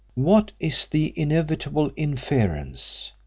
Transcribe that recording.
What is the inevitable inference?